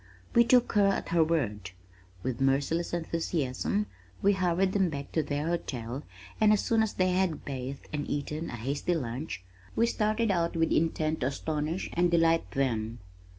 We took her at her word. With merciless enthusiasm we hurried them to their hotel and as soon as they had bathed and eaten a hasty lunch, we started out with intent to astonish and delight them.